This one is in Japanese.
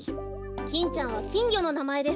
キンちゃんはきんぎょのなまえです。